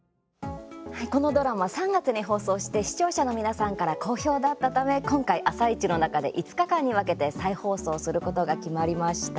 このドラマ３月に放送して視聴者の皆さんから好評だったため今回「あさイチ」の中で５日間に分けて再放送することが決まりました。